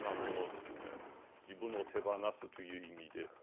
自分を手放すという意味で。